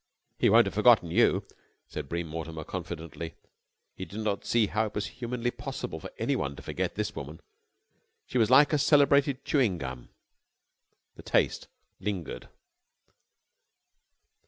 "He won't have forgotten you," said Bream Mortimer confidently. He did not see how it was humanly possible for anyone to forget this woman. She was like a celebrated chewing gum. The taste lingered.